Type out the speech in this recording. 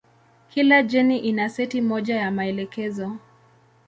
Kila jeni ina seti moja ya maelekezo.